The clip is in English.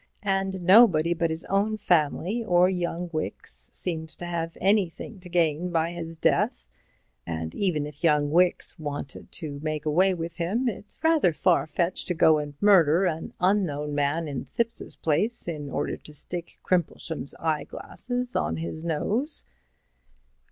And nobody but his own family or young Wicks seems to have anything to gain by his death. And even if young Wicks wanted to make away with him, it's rather far fetched to go and murder an unknown man in Thipps's place in order to stick Crimplesham's eyeglasses on his nose."